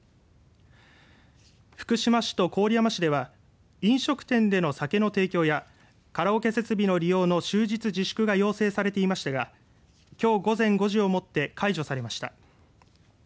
福島市と郡山市では飲食店での酒の提供やカラオケ設備の利用の終日自粛が要請されていましたがきょう午前５時をもって解除されました。